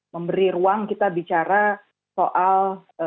memberi ruang kita bicara soal